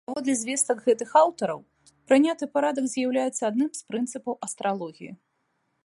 Паводле звестак гэтых аўтараў, прыняты парадак з'яўляецца адным з прынцыпаў астралогіі.